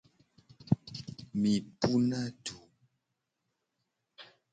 Mi puna du.